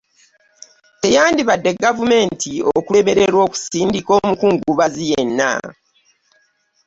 Teyandibadde gavumenti okulemererwa okusindika omukungubazi yenna